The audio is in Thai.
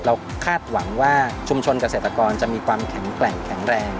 คาดหวังว่าชุมชนเกษตรกรจะมีความแข็งแกร่งแข็งแรง